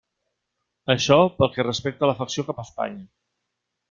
Això pel que respecta a l'afecció cap a Espanya.